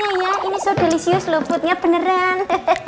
di eat eat ya putnya ya ini so delicious putnya beneran